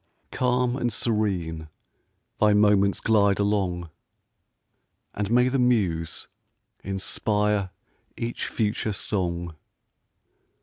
Calm and serene thy moments glide along, And may the muse inspire each future song!